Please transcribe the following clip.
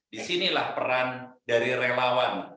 disinilah peran dari relawan